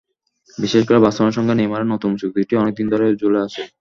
বিশেষ করে বার্সেলোনার সঙ্গে নেইমারের নতুন চুক্তিটি অনেক দিন ধরেই ঝুলে আছে।